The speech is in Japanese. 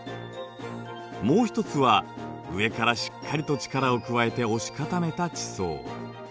もう一つは上からしっかりと力を加えて押し固めた地層。